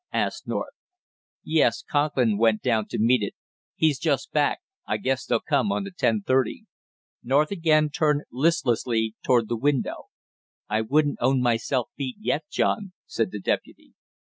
asked North. "Yes, Conklin went down to meet it. He's just back; I guess they'll come on the ten thirty." North again turned listlessly toward the window. "I wouldn't own myself beat yet, John!" said the deputy.